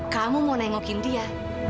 kamu mau nengokin dia